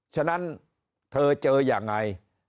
ฉะนั้นเธอเจออย่างไร